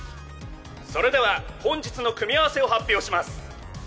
それでは本日の組み合わせを発表します。